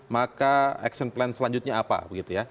maka action plan selanjutnya apa begitu ya